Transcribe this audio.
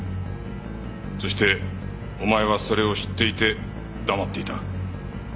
そしてお前はそれを知っていて黙っていた。